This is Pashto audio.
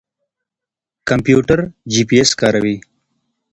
کمپيوټر جيپي اېس کاروي.